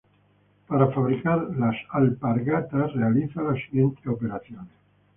Para fabricar las alpargatas realiza las siguientes operaciones.